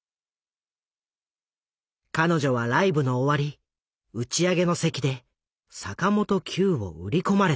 彼女はライブの終わり打ち上げの席で坂本九を売り込まれた。